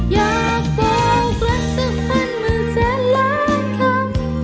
อยากบอกรักสักพันหมื่นแสนล้านคำ